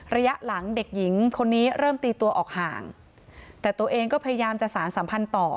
ระยะหลังเด็กหญิงคนนี้เริ่มตีตัวออกห่างแต่ตัวเองก็พยายามจะสารสัมพันธ์ต่อ